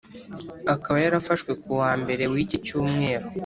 akaba yarafashwe ku wa mbere w’iki cyumweru